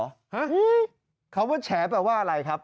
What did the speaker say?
ฮะคำว่าแฉแปลว่าอะไรครับ